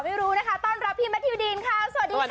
ไม่รู้นะคะต้อนรับพี่แมททิวดีนค่ะสวัสดีค่ะ